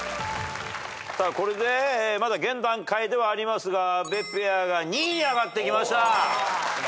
さあこれでまだ現段階ではありますが阿部ペアが２位に上がってきました。